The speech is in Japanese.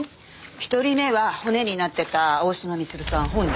１人目は骨になってた青嶋光留さん本人。